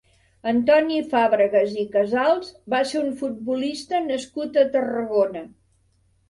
Antoni Fàbregas i Casals va ser un futbolista nascut a Tarragona.